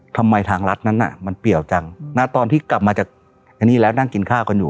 ทางรัฐนั้นน่ะมันเปรียวจังนะตอนที่กลับมาจากอันนี้แล้วนั่งกินข้าวกันอยู่